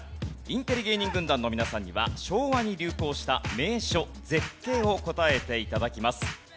インテリ芸人軍団の皆さんには昭和に流行した名所・絶景を答えて頂きます。